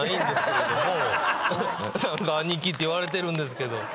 兄貴って言われてるんですけど。